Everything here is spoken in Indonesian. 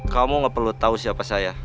kamu gak perlu tahu siapa saya